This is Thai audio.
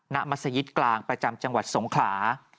มัศยิตกลางประจำจังหวัดสงขลา